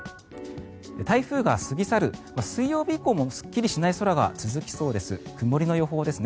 台風が過ぎ去る水曜日以降もすっきりしない空が続きそうです。